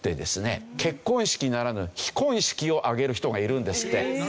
結婚式ならぬ非婚式を挙げる人がいるんですって。